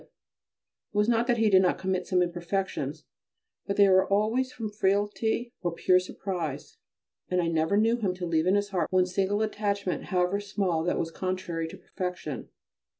It was not that he did not commit some imperfections, but they were always from frailty or pure surprise, and I never knew him to leave in his heart one single attachment, however small, that was contrary to perfection.